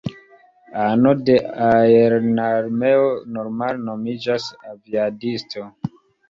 Ano de aerarmeo normale nomiĝas aviadisto.